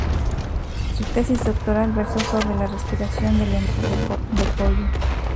Su tesis doctoral versó sobre la respiración del embrión de pollo.